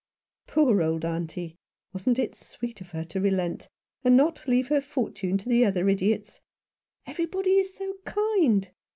"Poor old auntie! Wasn't it sweet of her to relent, and not leave her fortune to the other idiots? Everybody is so kind.